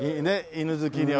犬好きには。